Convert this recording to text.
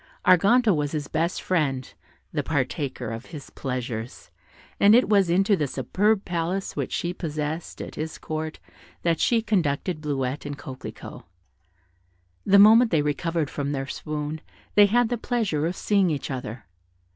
Arganto was his best friend, the partaker of his pleasures, and it was into the superb palace which she possessed at his court that she conducted Bleuette and Coquelicot. The moment they recovered from their swoon they had the pleasure of seeing each other.